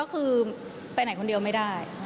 ก็คือไปไหนคนเดียวไม่ได้